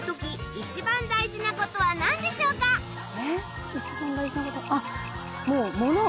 一番大事なことあっ。